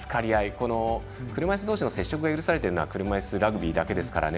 この車いすどうしの接触が許されているのは車いすラグビーだけですからね。